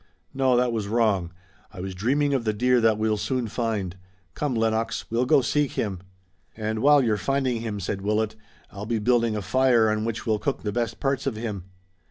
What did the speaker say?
"No, that was wrong. I was dreaming of the deer that we'll soon find. Come, Lennox, we'll go seek him." "And while you're finding him," said Willet, "I'll be building the fire on which we'll cook the best parts of him."